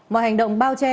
mọi hành động bao che